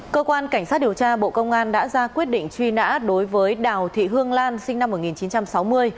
cơ quan cảnh sát điều tra bộ công an đã ra quyết định truy nã đối với đào thị hương lan sinh năm một nghìn chín trăm sáu mươi